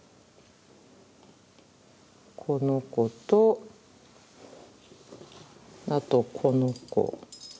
この子とあとこの子。